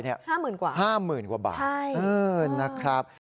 ห้าหมื่นกว่าบาทนะครับใช่